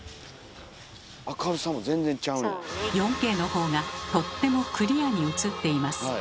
４Ｋのほうがとってもクリアに映っています。